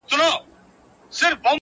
پر ټگانو چى يې جوړ طلا باران كړ!.